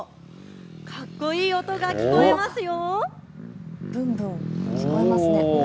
かっこいい音が聞こえますよ。